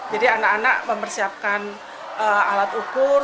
jadi anak anak mempersiapkan alat ukur